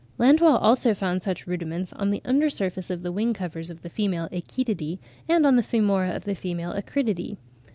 Landois also found such rudiments on the under surface of the wing covers of the female Achetidae, and on the femora of the female Acridiidae.